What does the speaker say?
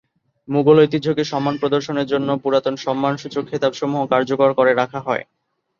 মুগল ঐতিহ্যকে সম্মান প্রদর্শনের জন্য পুরাতন সম্মানসূচক খেতাবসমূহ কার্যকর করে রাখা হয়।